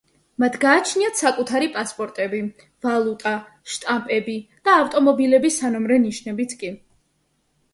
მათ გააჩნიათ საკუთარი პასპორტები, ვალუტა, შტამპები და ავტომობილების სანომრე ნიშნებიც კი.